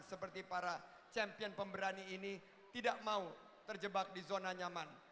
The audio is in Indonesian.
seperti para champion pemberani ini tidak mau terjebak di zona nyaman